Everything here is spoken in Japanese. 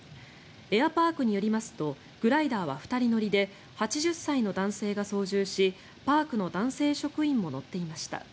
エアパークによりますとグライダーは２人乗りで８０歳の男性が操縦しパークの男性職員も乗っていました。